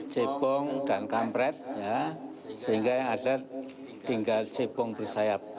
cepong dan kampret sehingga yang ada tinggal cepong bersayap